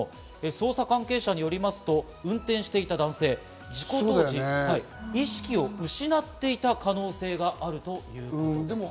捜査関係者によりますと運転していた男性は事故当時、意識を失っていた可能性があるということです。